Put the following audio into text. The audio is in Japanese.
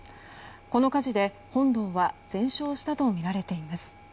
この火事で本堂は全焼したとみられています。